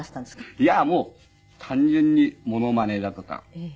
いやもう単純にモノマネだとか